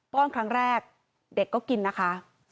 ้อนครั้งแรกเด็กก็กินนะคะ